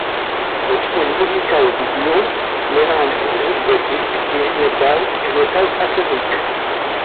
Le style musical du duo mélange musique gothique, heavy metal et metal symphonique.